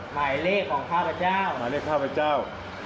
หมายเลขของข้าพเจ้าหมายเลขข้าพเจ้า